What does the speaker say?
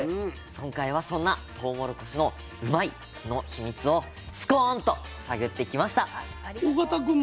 今回はそんなとうもろこしのうまいッ！のヒミツを「すコーン」と探ってきました！